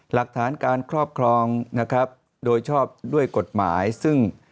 หลักฐานการครอบครองนะครับโดยชอบด้วยกฎหมายซึ่ง